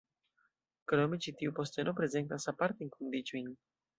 Krome ĉi tiu posteno prezentas apartajn kondiĉojn.